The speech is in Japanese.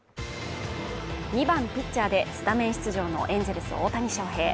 ２番・ピッチャーでスタメン出場のエンゼルス大谷翔平